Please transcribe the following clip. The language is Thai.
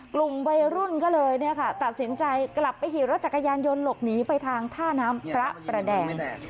กลุ่มวัยรุ่นก็เลยตัดสินใจกลับไปขี่รถจักรยานยนต์หลบหนีไปทางท่าน้ำพระประแดง